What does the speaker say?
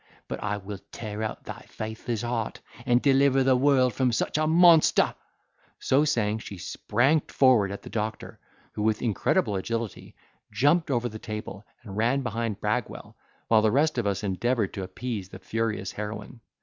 But I will tear out thy faithless heart, and deliver the world from such a monster." So saying, she sprang forward at the doctor, who with incredible agility, jumped over the table, and ran behind Bragwell, while the rest of us endeavoured to appease the furious heroine.